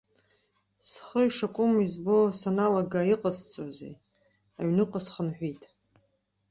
Схы ишакәым избо саналага, иҟасҵозеи, аҩныҟа схынҳәит.